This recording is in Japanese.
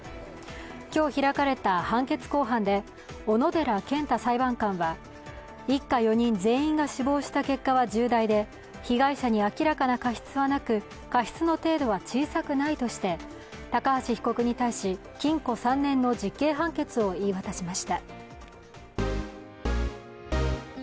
今日、開かれた判決公判で小野寺健太裁判官は一家４人全員が死亡した結果は重大で被害者に明らかな過失はなく過失の程度は小さくないとして高橋被告に対し禁錮３年の実刑判決を言い渡しました。